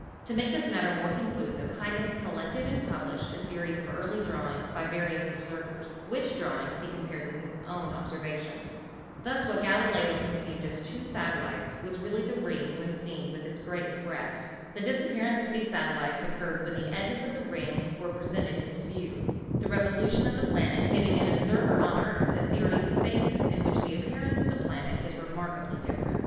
To make the matter more conclusive Huygens collected and published a series of early drawings by various observers, which drawings he compared with his own observations. Thus what Galileo conceived as two satellites was really the Fig. 25 — Relative Sizes of Saturn and the Earth. ring when seen with its greatest breadth. The disap pearance of these satellites occurred when the edge of the ring was presented to his view, the revolution of the planet giving to an observer on the Earth a series of phases in which the appearance of the planet is remark ably different.